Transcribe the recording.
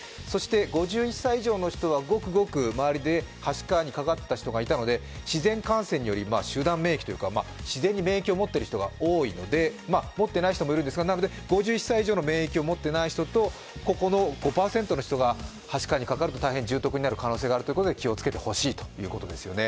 ５１歳以上の人は、ごくごく周りではしかにかかった人がいたので自然感染により集団免疫というか免疫を持っていない人もいるんですが、なので、５１歳以上の免疫を持っていない人とここの５％の人がはしかにかかると大変重篤になるという可能性があるので気をつけてほしいということですよね。